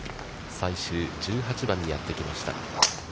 最終１８番にやってきました。